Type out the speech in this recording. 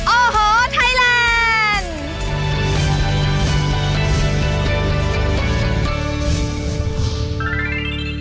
โอ้โหไทยแลนด์